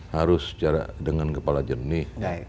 harus secara dengan kepala jernih